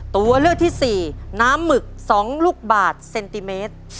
ตัวเลือกที่๔น้ำหมึก๒ลูกบาทเซนติเมตร